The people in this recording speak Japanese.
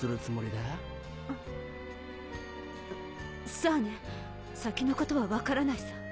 さぁね先のことは分からないさ。